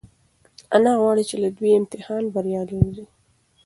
انا غواړي چې له دې امتحانه بریالۍ ووځي.